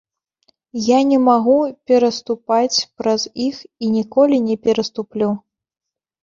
Я не магу пераступаць праз іх і ніколі не пераступлю.